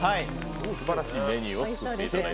すばらしいメニューを作っていただきました。